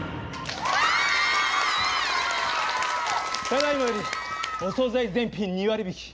ただいまよりお総菜全品２割引き。